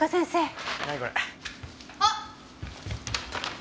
あっ！